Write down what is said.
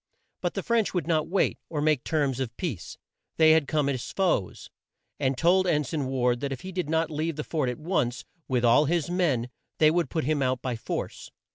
But the French would not wait, or make terms of peace. They had come as foes, and told En sign Ward that if he did not leave the fort at once, with all his men, they would put him out by force.